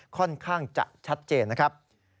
ค่อนข้างจะชัดเจนนะครับ